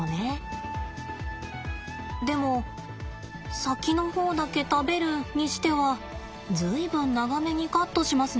でも先の方だけ食べるにしては随分長めにカットしますね。